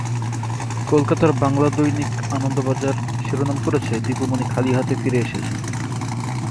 কলকাতার বাংলা দৈনিক আনন্দবাজার শিরোনাম করেছে, দীপু মনি খালি হাতে ফিরে এসেছেন।